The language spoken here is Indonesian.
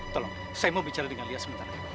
tolong saya mau bicara dengan lia sebentar ya